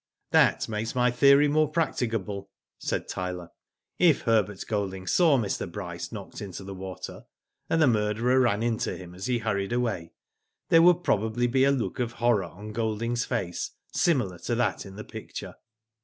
''That makes my theory more practicable," said Tyler. "If Herbert Golding saw Mr. Bryce knocked into the water, and the murderer ran into him as he hurried away, there would pro bably be a look of horror on Golding's face similar to that in the picture.